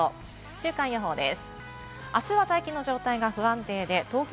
週間予報です。